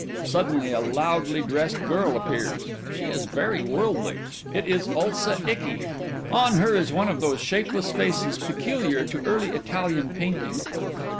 (Suddenly a loudly dressed girl appears; she is very worldly. It is ULSA ICKY. _On her is one of those shapeless faces peculiar to early Italian painting.